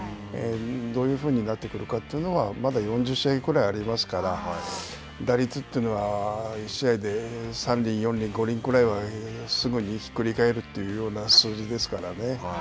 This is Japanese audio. どういうふうになってくるかというのはまだ４０試合ぐらいありますから打率というのは１試合で３厘４厘５厘ぐらいはすぐにひっくり返るというような数字ですからね